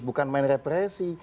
bukan main represi